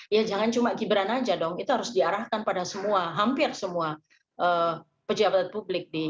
ya jangan cuma gibran aja dong itu harus diarahkan pada semua hampir semua pejabat publik